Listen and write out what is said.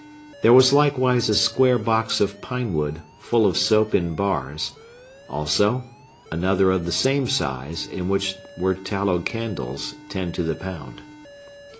There was likewise a square box of pine wood, full of soap in bars; also, another of the same size, in which were tallow candles, ten to the pound.